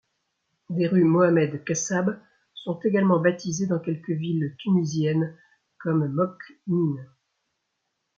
Des rues Mohamed-Kassab sont également baptisées dans quelques villes tunisiennes comme Moknine.